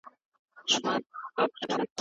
ټولنیز-اقتصادي فکتورونه مهم دي.